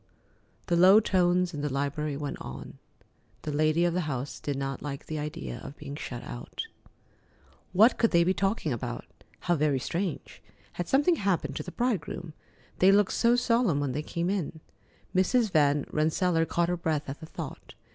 The low tones in the library went on. The lady of the house did not like the idea of being shut out. What could they be talking about? How very strange! Had something happened to the bridegroom? They looked so solemn when they came in. Mrs. Van Rensselaer caught her breath at the thought.